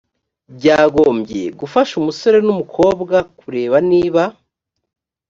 byagombye gufasha umusore n umukobwa kureba niba